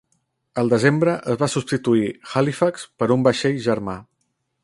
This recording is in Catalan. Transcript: El desembre es va substituir "Halifax" per un vaixell germà.